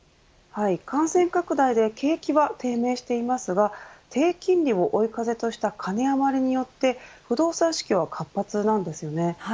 感染拡大で景気は低迷していますが低金利を追い風とした金余りによって不動産市況は活発なんです。